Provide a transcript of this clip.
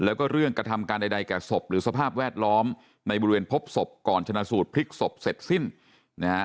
แล้วก็เรื่องกระทำการใดแก่ศพหรือสภาพแวดล้อมในบริเวณพบศพก่อนชนะสูตรพลิกศพเสร็จสิ้นนะฮะ